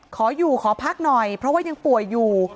ขออยู่ขอพักหน่อยเพราะว่ายังป่วยอยู่